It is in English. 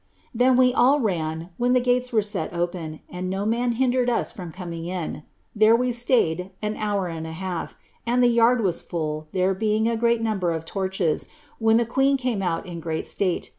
Then we all ran, when the eoart gates were set open, and no man hindered us from coming in; there we staid an hour and a half, and the yard was full, there being a great number of torches, when the queen came out in great state.